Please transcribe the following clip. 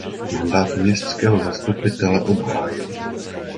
Mandát městského zastupitele obhájil.